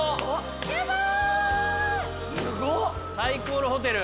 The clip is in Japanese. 最高のホテル。